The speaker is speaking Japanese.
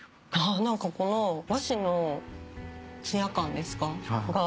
何かこの和紙のツヤ感ですか。